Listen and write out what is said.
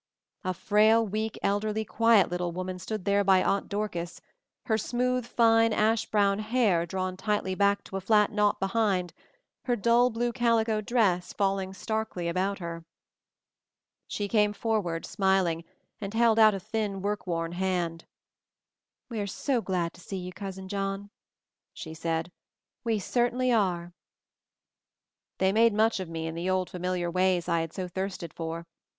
A frail, weak, elderly, quiet, little woman stood there by Aunt Dorcas, her smooth fine, ash brown hair drawn tightly back to a flat knot behind, her dull blue calico dress falling starkly about her. She came forward, smiling, and held out a thin work worn hand. "We're so glad to see you, Cousin John," she said. "We cer tainly are." They made much of me in the old familiar ways I had so thirsted for.